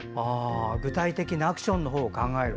具体的なアクションを考える。